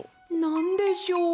なんでしょう？